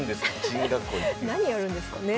何やるんですかね？